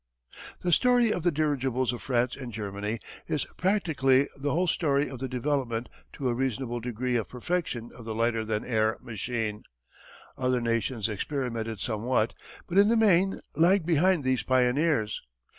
The story of the dirigibles of France and Germany is practically the whole story of the development to a reasonable degree of perfection of the lighter than air machine. Other nations experimented somewhat, but in the main lagged behind these pioneers.